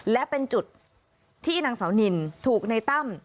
และเป็นจุดที่นางสาวนินถูกในตั้ม